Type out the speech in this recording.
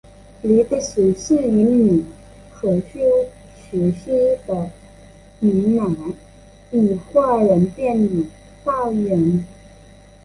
李德水是印尼荷属时期的闽南裔华人电影导演。